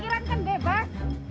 ini parkiran kan bebas